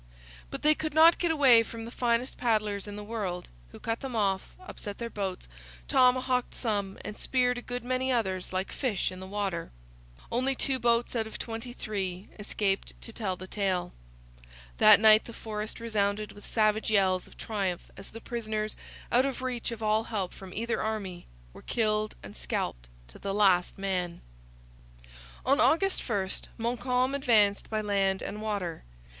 But they could not get away from the finest paddlers in the world, who cut them off, upset their boats, tomahawked some, and speared a good many others like fish in the water. Only two boats, out of twenty three, escaped to tell the tale. That night the forest resounded with savage yells of triumph as the prisoners, out of reach of all help from either army, were killed and scalped to the last man. On August 1 Montcalm advanced by land and water.